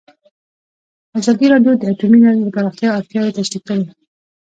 ازادي راډیو د اټومي انرژي د پراختیا اړتیاوې تشریح کړي.